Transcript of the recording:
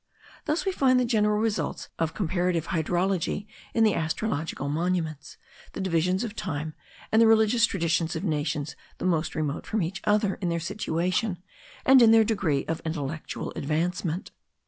Thus we find the general results of comparative hydrography in the astrological monuments, the divisions of time and the religious traditions of nations the most remote from each other in their situation and in their degree of intellectual advancement.